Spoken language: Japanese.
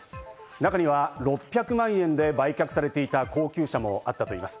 中には６００万円で売却されていた高級車もあったといいます。